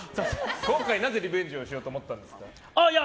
今回、なぜリベンジをしようと思ったんですか。